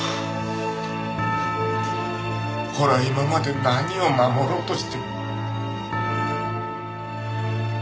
俺は今まで何を守ろうとして。